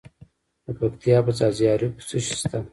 د پکتیا په ځاځي اریوب کې څه شی شته؟